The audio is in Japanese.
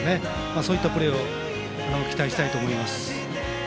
そういったプレーを期待したいと思います。